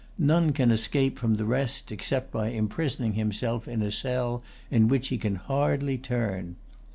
None can escape from the rest except by imprisoning himself in a cell in which he can hardly turn.